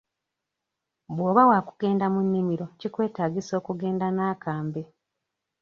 Bw'oba waakugenda mu nnimiro kikwetaagisa okugenda n'akambe.